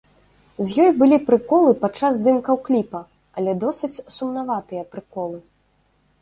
З ёй былі прыколы падчас здымкаў кліпа, але досыць сумнаватыя прыколы.